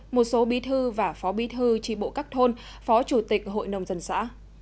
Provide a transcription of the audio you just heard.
một số bí thư và phó bí thư tri bộ các thôn phó chủ tịch hội nông dân xã